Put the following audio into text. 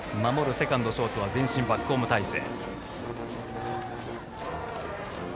セカンド、ショートは前進バックホーム態勢。